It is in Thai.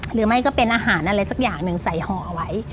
หรือไม่ก็เป็นอาหารอะไรสักอย่างหนึ่งใส่ห่อเอาไว้